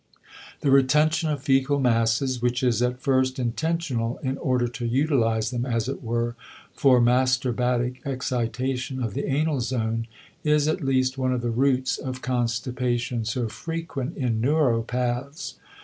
The retention of fecal masses, which is at first intentional in order to utilize them, as it were, for masturbatic excitation of the anal zone, is at least one of the roots of constipation so frequent in neuropaths.